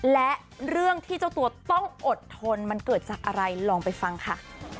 และเรื่องที่เจ้าตัวต้องอดทนมันเกิดจากอะไรลองไปฟังค่ะ